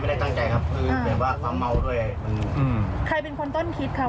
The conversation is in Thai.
ได้ตั้งใจครับคือแบบว่าความเมาด้วยมันอืมใครเป็นคนต้นคิดครับ